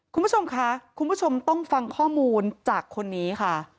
คุณผู้ชมค่ะคุณผู้ชมต้องฟังข้อมูลจากคนนี้ค่ะ